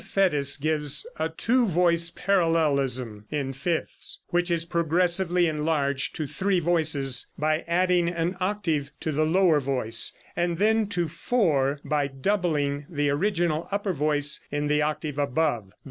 Fétis gives a two voice parallelism in fifths, which is progressively enlarged to three voices by adding an octave to the lower voice; and then to four by doubling the original upper voice in the octave above.